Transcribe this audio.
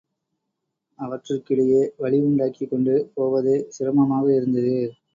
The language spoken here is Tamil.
அவற்றிற்கிடையே வழி உண்டாக்கிக்கொண்டு போவதே சிரமமாக இருந்தது.